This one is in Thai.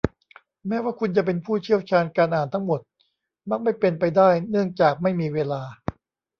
แม้ว่าคุณจะเป็นผู้เชี่ยวชาญการอ่านทั้งหมดมักไม่เป็นไปได้เนื่องจากไม่มีเวลา